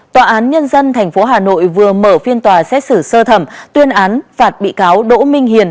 tòa án nhân dân tp hà nội vừa mở phiên tòa xét xử sơ thẩm tuyên án phạt bị cáo đỗ minh hiền